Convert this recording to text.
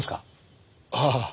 ああ。